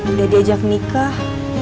udah diajak nikah